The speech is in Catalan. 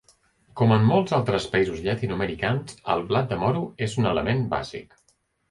Com en molts altres països llatinoamericans, el blat de moro és un element bàsic.